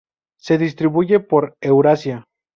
Se distribuye por Eurasia.